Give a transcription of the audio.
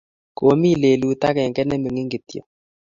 Komie lelut agenge ne mining kityo